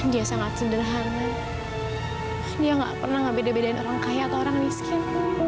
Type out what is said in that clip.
dia sangat sederhana dia nggak pernah ngebeda bedain orang kaya atau orang miskin